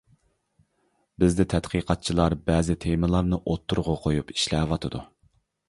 بىزدە تەتقىقاتچىلار بەزى تېمىلارنى ئوتتۇرىغا قويۇپ ئىشلەۋاتىدۇ.